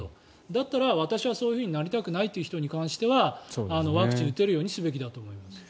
だったら、私はそうなりたくないという人に関してはワクチンを打てるようにすべきだと思います。